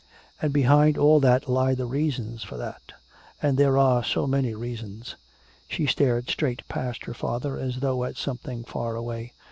And behind all that lie the reasons for that. And there are so many reasons." She stared straight past her father as though at something far away.